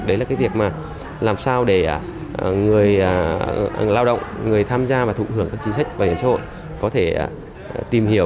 đấy là cái việc mà làm sao để người lao động người tham gia và thụ hưởng các chính sách bảo hiểm xã hội có thể tìm hiểu